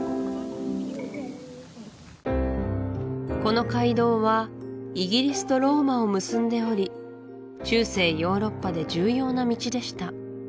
この街道はイギリスとローマを結んでおり中世ヨーロッパで重要な道でした道沿いには